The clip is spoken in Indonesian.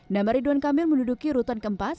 nama ridwan kamil menduduki rutan keempat